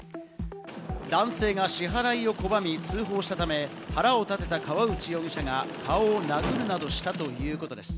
男性が支払いを拒み、通報したため、腹を立てた河内容疑者が顔を殴るなどしたということです。